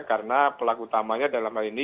karena pelaku utamanya dalam hal ini